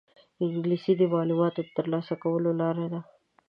انګلیسي د معلوماتو د ترلاسه کولو لاره ده